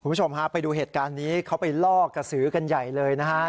คุณผู้ชมฮะไปดูเหตุการณ์นี้เขาไปล่อกระสือกันใหญ่เลยนะฮะ